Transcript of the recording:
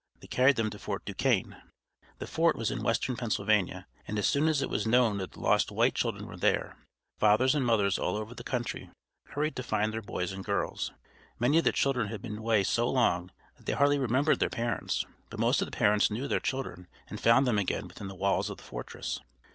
They carried them to Fort Duquesne. The Fort was in western Pennsylvania, and as soon as it was known that the lost white children were there, fathers and mothers all over the country hurried to find their boys and girls. Many of the children had been away so long that they hardly remembered their parents, but most of the parents knew their children, and found them again within the walls of the fortress.